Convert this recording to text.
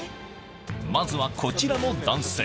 まずはこちらの男性